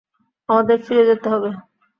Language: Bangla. আমাদের ফিরে যেতে হবে।